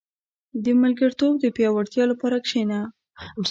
• د ملګرتوب د پياوړتیا لپاره کښېنه.